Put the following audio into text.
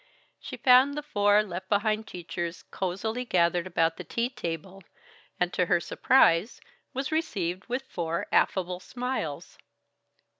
She found the four left behind teachers cosily gathered about the tea table, and to her surprise, was received with four affable smiles.